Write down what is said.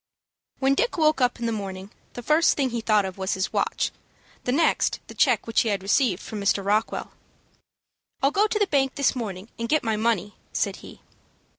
When Dick woke up in the morning the first thing he thought of was his watch, the next the check which he had received from Mr. Rockwell. "I'll go to the bank this morning, and get my money," said he.